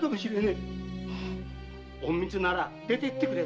隠密なら出てってくれ。